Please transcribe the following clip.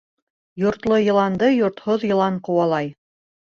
Йортло йыланды йортһоҙ йылан ҡыуалай.